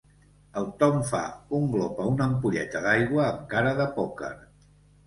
El Tom fa un glop a una ampolleta d'aigua amb cara de pòquer.